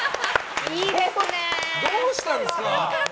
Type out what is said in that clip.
どうしたんですか！